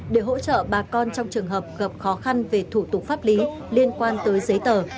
để hỗ trợ bà con trong trường hợp gặp khó khăn về thủ tục pháp lý liên quan tới giấy tờ